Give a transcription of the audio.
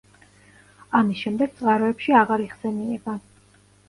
ამის შემდეგ წყაროებში აღარ იხსენიება.